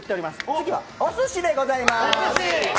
次は、おすしでございます。